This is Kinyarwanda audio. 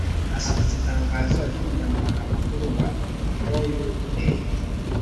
hasohotse itangazo ry'umunyamabanga mukuru wa oua